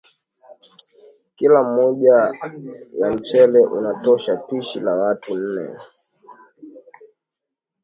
Kilo moja ya mchele unatosha pishi la watu nne